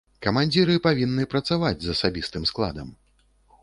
Камандзіры павінны працаваць з асабістым складам.